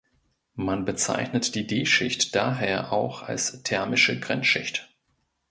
Man bezeichnet die D″-Schicht daher auch als thermische Grenzschicht.